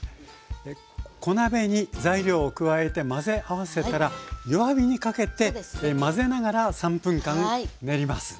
小鍋に材料を加えて混ぜ合わせたら弱火にかけて混ぜながら３分間練ります。